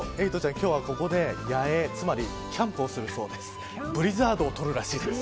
今日はここで野営つまりキャンプをするそうです。